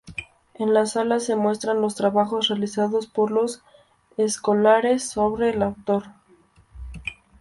En la sala se muestran los trabajos realizados por los escolares sobre el autor.